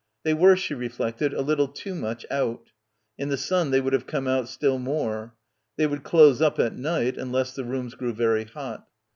They were, she reflected, a little too much out. In the sun they would have come out still more. They would close up at night unless the rooms grew very hot.